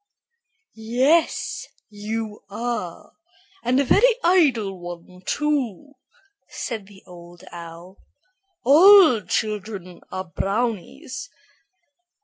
"Yes, you are, and a very idle one, too," said the Old Owl. "All children are brownies."